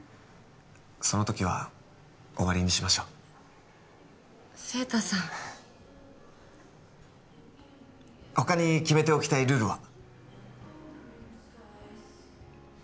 その時は終わりにしましょう晴太さん他に決めておきたいルールは？